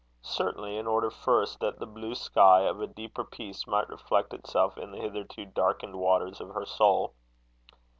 certainly in order first that the blue sky of a deeper peace might reflect itself in the hitherto darkened waters of her soul.